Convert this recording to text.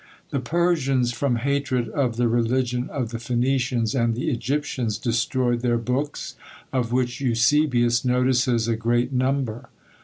The Persians, from hatred of the religion of the Phoenicians and the Egyptians, destroyed their books, of which Eusebius notices a great number.